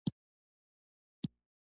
راځی د پښتو ژبې لپاره په شریکه خدمت وکړو